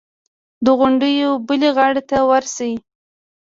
د غونډیو بلې غاړې ته ورشي.